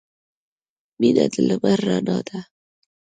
• مینه د لمر رڼا ده.